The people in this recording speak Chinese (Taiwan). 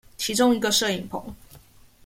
其中一個攝影棚